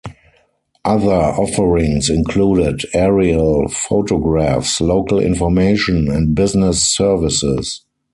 Other offerings included aerial photographs, local information, and business services.